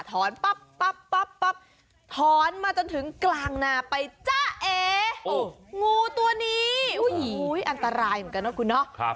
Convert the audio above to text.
ปั๊บปั๊บถอนมาจนถึงกลางนาไปจ้าเองูตัวนี้อันตรายเหมือนกันนะคุณเนาะ